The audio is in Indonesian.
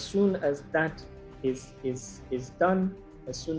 saya rasa di negara ini